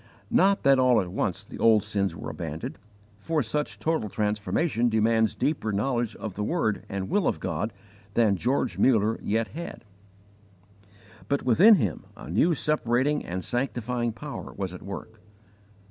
Not that all at once the old sins were abandoned, for such total transformation demands deeper knowledge of the word and will of God than George Muller yet had. But within him a new separating and sanctifying Power was at work.